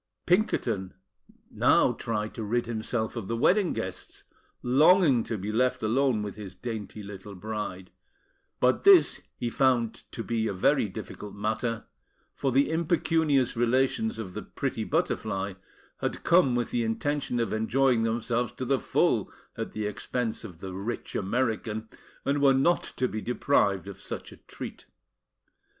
Pinkerton now tried to rid himself of the wedding guests, longing to be left alone with his dainty little bride; but this he found to be a very difficult matter, for the impecunious relations of the pretty Butterfly had come with the intention of enjoying themselves to the full at the expense of the rich American, and were not to be deprived of such a treat.